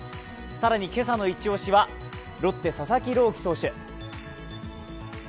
更に今朝のイチオシはロッテ・佐々木朗希投手。